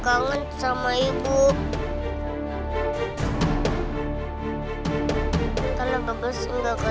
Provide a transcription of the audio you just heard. kesel sama kak popi kau gak nyariin aku ya